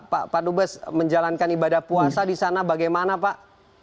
pak dubes menjalankan ibadah puasa di sana bagaimana pak